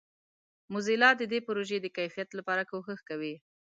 موزیلا د دې پروژې د کیفیت لپاره کوښښ کوي.